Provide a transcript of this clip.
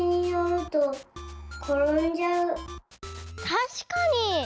たしかに！